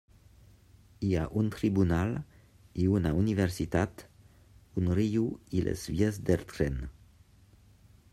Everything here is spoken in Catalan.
Hi ha un tribunal, i una universitat, un riu i les vies del tren.